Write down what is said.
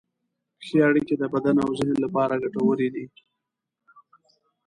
ښه اړیکې د بدن او ذهن لپاره ګټورې دي.